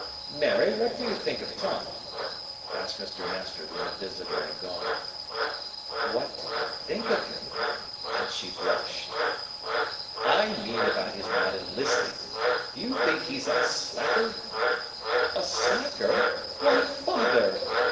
"Mary, what do you think of Tom?" asked Mr. Nestor, when the visitor had gone. "What do I think of him?" And she blushed. "I mean about his not enlisting. Do you think he's a slacker?" "A slacker? Why, Father!"